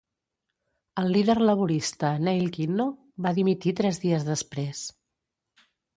El líder laborista Neil Kinnock va dimitir tres dies després.